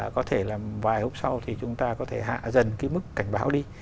có thể là vài hôm sau thì chúng ta có thể hạ dần cái mức cảnh báo đi